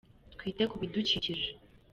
Twite ku bidukikije.